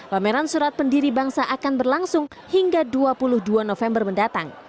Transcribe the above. pameran surat pendiri bangsa akan berlangsung hingga dua puluh dua november mendatang